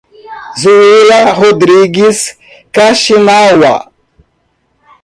Zuila Rodrigues Kaxinawa